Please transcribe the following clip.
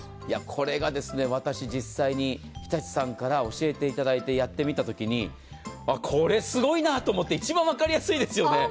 これが私、実際に日立さんから教えていただいてやってみたときにこれ、すごいなと思って一番分かりやすいですよね。